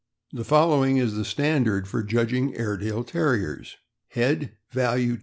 The following is the standard for judging Airedale Ter riers : Value.